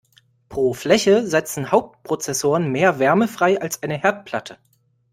Pro Fläche setzen Hauptprozessoren mehr Wärme frei als eine Herdplatte.